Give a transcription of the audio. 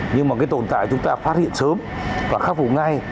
nhưng mà cái tồn tại chúng ta phát hiện sớm và khắc vụ ngay